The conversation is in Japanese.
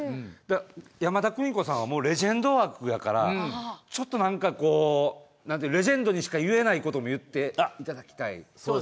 山田邦子さんは、レジェンド枠やから、ちょっと何かこう、レジェンドにしか言えないことも言っていただきたい。